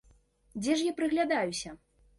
Дзе ж я прыглядаюся?